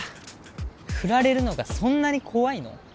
フラれるのがそんなに怖いの？